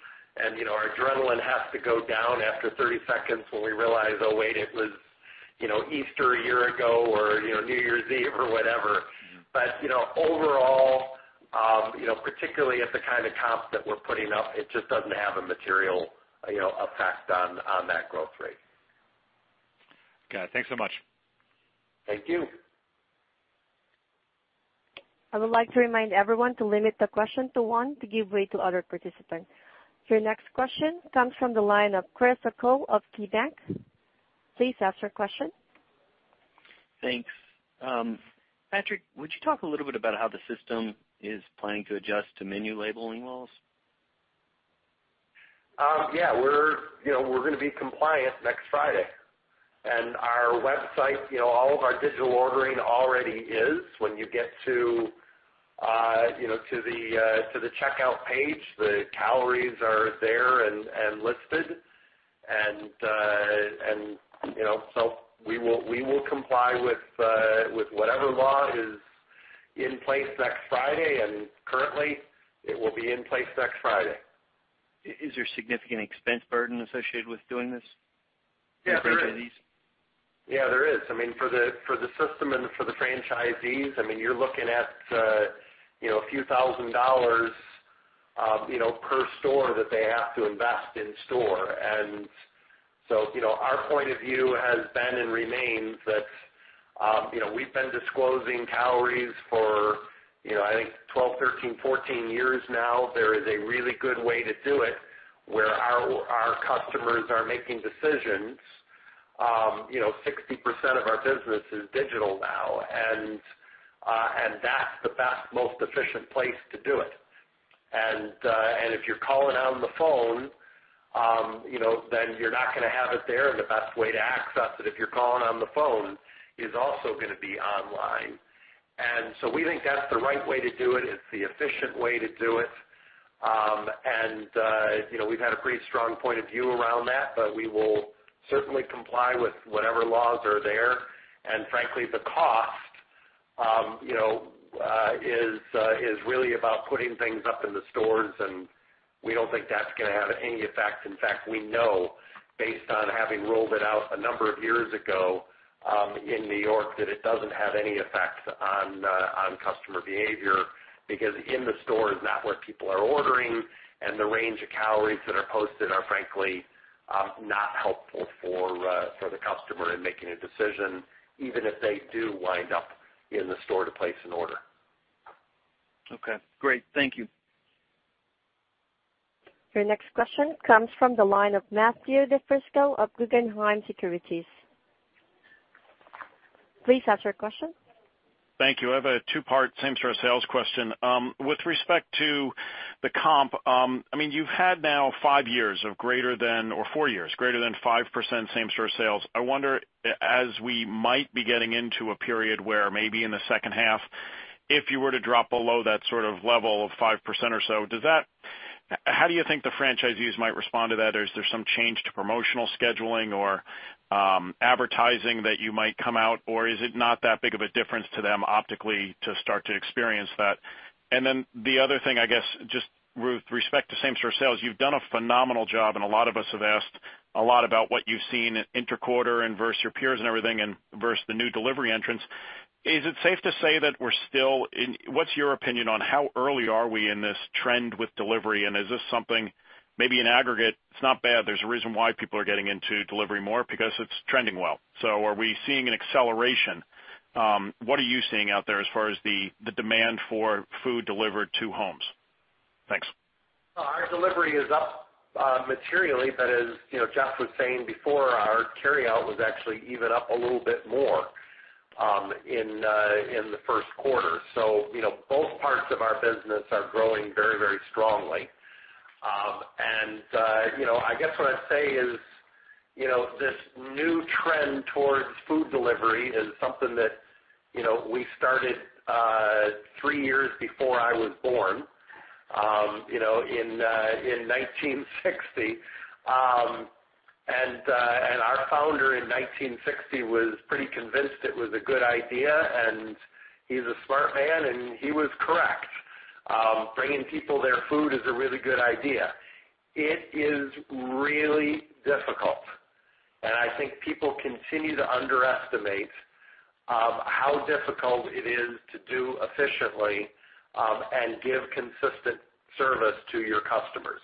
our adrenaline has to go down after 30 seconds when we realize, oh, wait, it was Easter a year ago or New Year's Eve or whatever. Overall, particularly at the kind of comps that we're putting up, it just doesn't have a material effect on that growth rate. Got it. Thanks so much. Thank you. I would like to remind everyone to limit the question to one to give way to other participants. Your next question comes from the line of Chris O'Cull of KeyBanc. Please ask your question. Thanks. Patrick, would you talk a little bit about how the system is planning to adjust to menu labeling laws? Yeah. We're going to be compliant next Friday. Our website, all of our digital ordering already is when you get to the checkout page, the calories are there and listed. We will comply with whatever law is in place next Friday, and currently it will be in place next Friday. Is there significant expense burden associated with doing this for franchisees? Yeah, there is. For the system and for the franchisees, you're looking at a few thousand dollars per store that they have to invest in store. Our point of view has been and remains that we've been disclosing calories for I think 12, 13, 14 years now. There is a really good way to do it, where our customers are making decisions. 60% of our business is digital now, and that's the best, most efficient place to do it. If you're calling on the phone, then you're not going to have it there, and the best way to access it if you're calling on the phone is also going to be online. We think that's the right way to do it. It's the efficient way to do it. We've had a pretty strong point of view around that, but we will certainly comply with whatever laws are there. Frankly, the cost is really about putting things up in the stores, and we don't think that's going to have any effect. In fact, we know based on having rolled it out a number of years ago in New York, that it doesn't have any effect on customer behavior because in the store is not where people are ordering, and the range of calories that are posted are frankly, not helpful for the customer in making a decision, even if they do wind up in the store to place an order. Okay, great. Thank you. Your next question comes from the line of Matthew DiFrisco of Guggenheim Securities. Please ask your question. Thank you. I have a two-part same-store sales question. With respect to the comp, you've had now five years of greater than, or four years, greater than 5% same-store sales. I wonder, as we might be getting into a period where maybe in the second half, if you were to drop below that sort of level of 5% or so, how do you think the franchisees might respond to that? Or is there some change to promotional scheduling or advertising that you might come out? Or is it not that big of a difference to them optically to start to experience that? The other thing, I guess, just with respect to same-store sales, you've done a phenomenal job and a lot of us have asked a lot about what you've seen inter-quarter and versus your peers and everything, and versus the new delivery entrants. What's your opinion on how early are we in this trend with delivery, and is this something maybe in aggregate, it's not bad, there's a reason why people are getting into delivery more because it's trending well. Are we seeing an acceleration? What are you seeing out there as far as the demand for food delivered to homes? Thanks. Our delivery is up materially, as Jeff was saying before, our carryout was actually even up a little bit more in the first quarter. Both parts of our business are growing very strongly. I guess what I'd say is this new trend towards food delivery is something that we started three years before I was born, in 1960. Our founder in 1960 was pretty convinced it was a good idea, and he's a smart man, and he was correct. Bringing people their food is a really good idea. It is really difficult, and I think people continue to underestimate how difficult it is to do efficiently and give consistent service to your customers.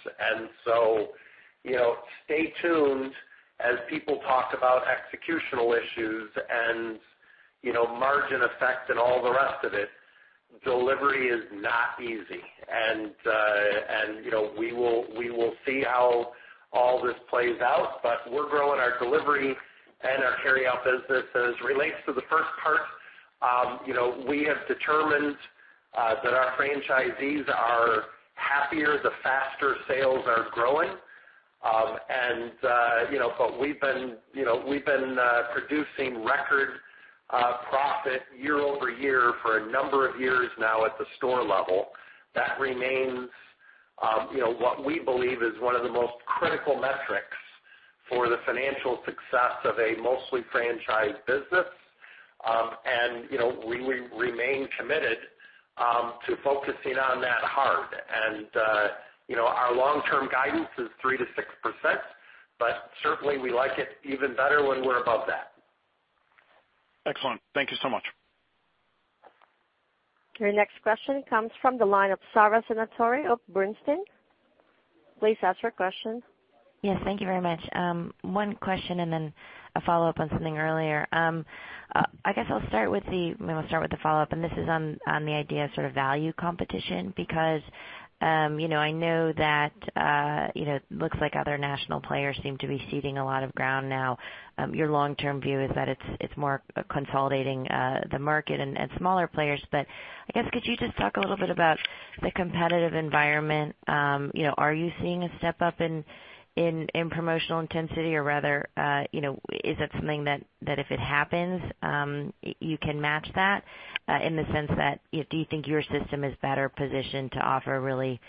Stay tuned as people talk about executional issues and margin effect and all the rest of it. Delivery is not easy, we will see how all this plays out, we're growing our delivery and our carryout business. As it relates to the first part, we have determined that our franchisees are happier the faster sales are growing. We've been producing record profit year-over-year for a number of years now at the store level. That remains what we believe is one of the most critical metrics for the financial success of a mostly franchised business. We remain committed to focusing on that hard. Our long-term guidance is 3%-6%, but certainly we like it even better when we're above that. Excellent. Thank you so much. Your next question comes from the line of Sara Senatore of Bernstein. Please ask your question. Yes, thank you very much. One question and then a follow-up on something earlier. I guess I'll start with the follow-up, and this is on the idea of value competition, because I know that it looks like other national players seem to be ceding a lot of ground now. Your long-term view is that it's more consolidating the market and smaller players. I guess, could you just talk a little bit about the competitive environment? Are you seeing a step up in promotional intensity? Rather, is that something that if it happens, you can match that, in the sense that, do you think your system is better positioned to offer really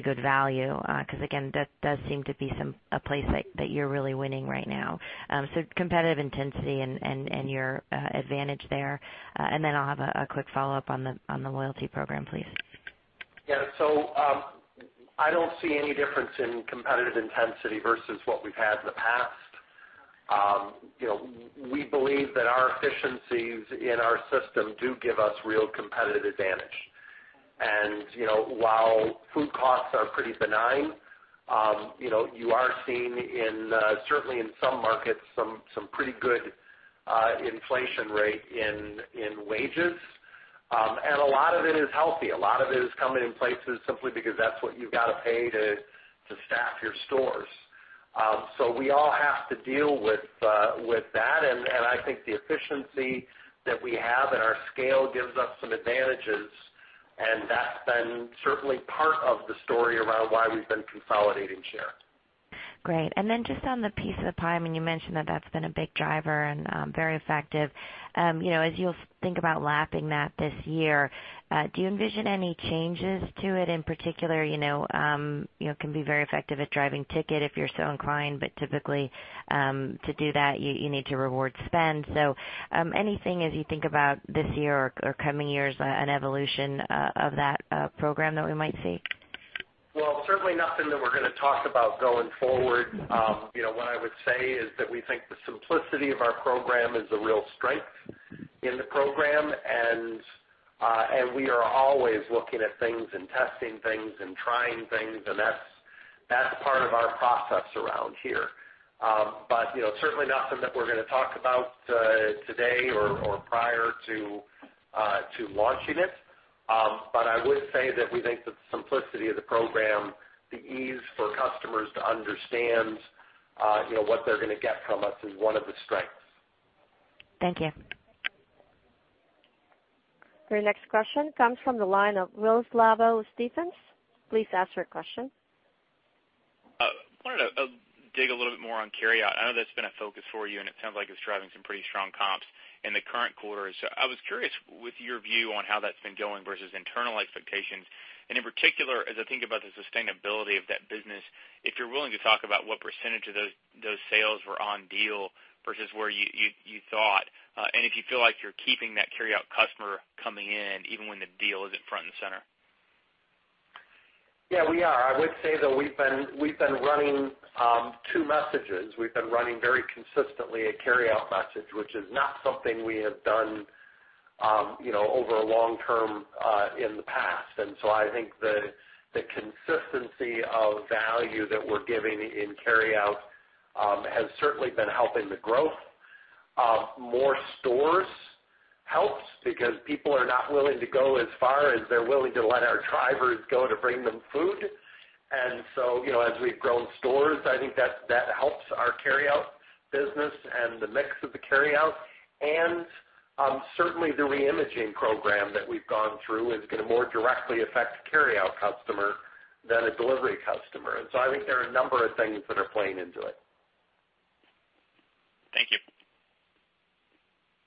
good value? Again, that does seem to be a place that you're really winning right now. Competitive intensity and your advantage there. Then I'll have a quick follow-up on the loyalty program, please. Yeah. I don't see any difference in competitive intensity versus what we've had in the past. We believe that our efficiencies in our system do give us real competitive advantage. While food costs are pretty benign, you are seeing, certainly in some markets, some pretty good inflation rate in wages. A lot of it is healthy. A lot of it is coming in places simply because that's what you've got to pay to staff your stores. We all have to deal with that, and I think the efficiency that we have and our scale gives us some advantages, and that's been certainly part of the story around why we've been consolidating share. Great. Then just on the Piece of the Pie, I mean, you mentioned that that's been a big driver and very effective. As you think about lapping that this year, do you envision any changes to it in particular? It can be very effective at driving ticket if you're so inclined, but typically, to do that, you need to reward spend. Anything as you think about this year or coming years, an evolution of that program that we might see? Well, certainly nothing that we're going to talk about going forward. What I would say is that we think the simplicity of our program is a real strength in the program, and we are always looking at things and testing things and trying things, and that's part of our process around here. Certainly not something that we're going to talk about today or prior to launching it. I would say that we think the simplicity of the program, the ease for customers to understand what they're going to get from us is one of the strengths. Thank you. Your next question comes from the line of Will Slabaugh with Stephens. Please ask your question. I wanted to dig a little bit more on carryout. I know that's been a focus for you, and it sounds like it's driving some pretty strong comps in the current quarter. I was curious with your view on how that's been going versus internal expectations, and in particular, as I think about the sustainability of that business, if you're willing to talk about what percentage of those sales were on deal versus where you thought. If you feel like you're keeping that carryout customer coming in, even when the deal isn't front and center. Yeah, we are. I would say, though, we've been running two messages. We've been running very consistently a carryout message, which is not something we have done over a long term in the past. I think the consistency of value that we're giving in carryout has certainly been helping the growth. More stores helps because people are not willing to go as far as they're willing to let our drivers go to bring them food. As we've grown stores, I think that helps our carryout business and the mix of the carryout. Certainly the reimaging program that we've gone through is going to more directly affect a carryout customer than a delivery customer. I think there are a number of things that are playing into it. Thank you.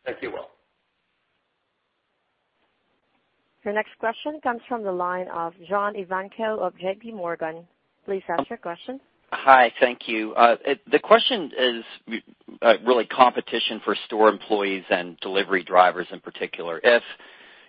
Thank you, Will. Your next question comes from the line of John Ivankoe of JP Morgan. Please ask your question. Hi. Thank you. The question is really competition for store employees and delivery drivers in particular. If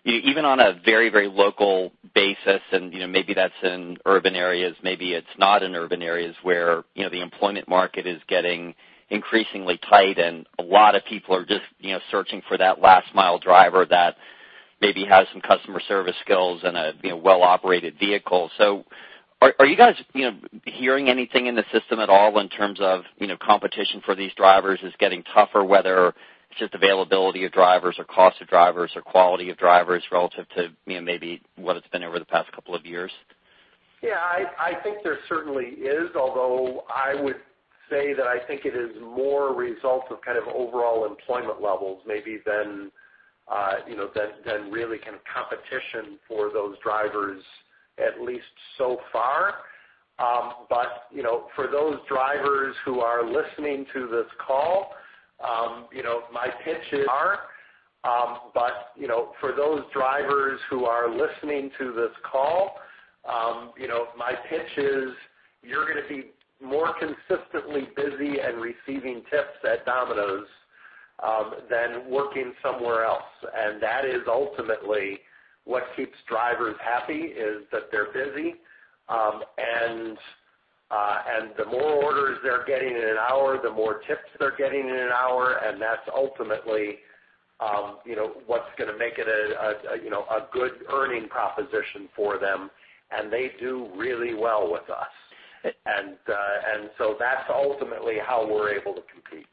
even on a very local basis and maybe that's in urban areas, maybe it's not in urban areas where the employment market is getting increasingly tight and a lot of people are just searching for that last mile driver that maybe has some customer service skills and a well-operated vehicle. Are you guys hearing anything in the system at all in terms of competition for these drivers is getting tougher, whether it's just availability of drivers or cost of drivers or quality of drivers relative to maybe what it's been over the past couple of years? Yeah, I think there certainly is. I would say that I think it is more a result of kind of overall employment levels maybe than really competition for those drivers, at least so far. For those drivers who are listening to this call, my pitch is you're going to be more consistently busy and receiving tips at Domino's than working somewhere else. That is ultimately what keeps drivers happy, is that they're busy. The more orders they're getting in an hour, the more tips they're getting in an hour, and that's ultimately what's going to make it a good earning proposition for them. They do really well with us. That's ultimately how we're able to compete.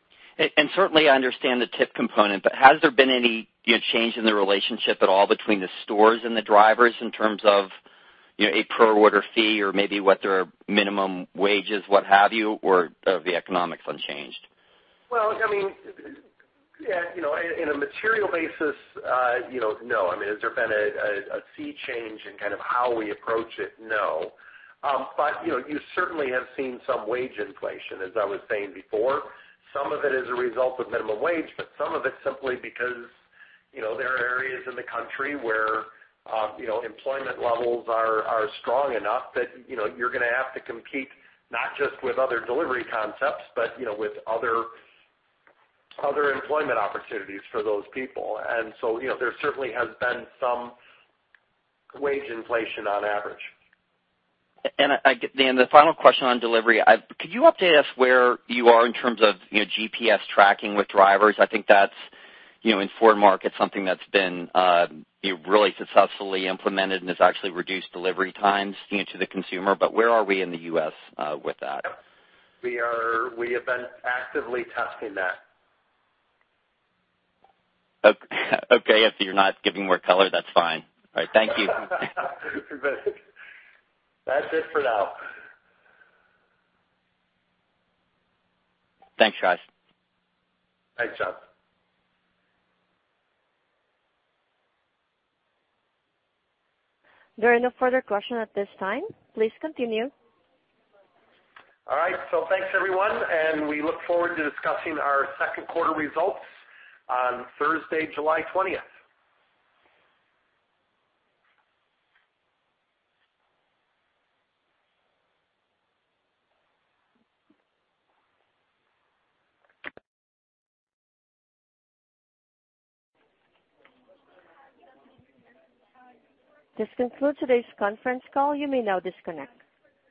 Certainly, I understand the tip component, but has there been any change in the relationship at all between the stores and the drivers in terms of a per order fee or maybe what their minimum wage is, what have you? Are the economics unchanged? Well, in a material basis, no. I mean, has there been a sea change in how we approach it? No. You certainly have seen some wage inflation, as I was saying before. Some of it is a result of minimum wage, but some of it's simply because there are areas in the country where employment levels are strong enough that you're going to have to compete not just with other delivery concepts, but with other employment opportunities for those people. There certainly has been some wage inflation on average. The final question on delivery. Could you update us where you are in terms of GPS tracking with drivers? I think that's, in foreign markets, something that's been really successfully implemented and has actually reduced delivery times to the consumer. Where are we in the U.S. with that? We have been actively testing that. Okay. If you're not giving more color, that's fine. All right. Thank you. That's it for now. Thanks, guys. Thanks, John. There are no further questions at this time. Please continue. All right. Thanks, everyone, and we look forward to discussing our second quarter results on Thursday, July 20th. This concludes today's conference call. You may now disconnect.